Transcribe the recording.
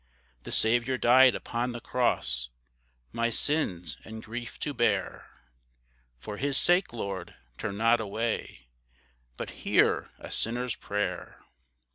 The Saviour died upon the cross, My sins and grief to bear, For his sake, Lord, turn not away, But hear a sinner's prayer.